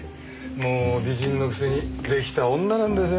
もう美人のくせに出来た女なんですよ。